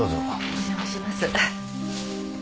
お邪魔します。